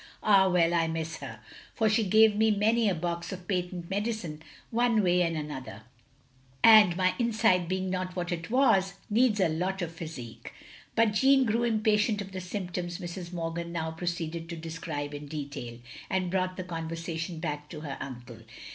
Ah, well, I miss her, for she gave me many a box of patent medicine one way and another, and my inside being not what it was, needs a lot of physic. " But Jeanne grew impatient of the symptoms Mrs. Morgan now proceeded to describe in detail, and brought the conversation back to her uncle.